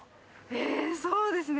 えそうですね